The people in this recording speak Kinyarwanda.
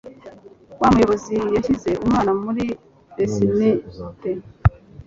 Wa muyobizi yashyize umwana muri bassinet.